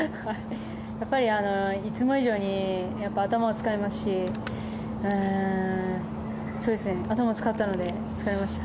やっぱりいつも以上に頭を使いますし頭を使ったので疲れました。